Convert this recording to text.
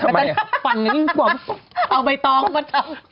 มันกลับฟังเอาใบตองมาเท่า